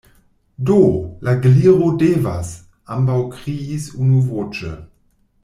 "Do, la Gliro devas," ambaŭ kriis unuvoĉe.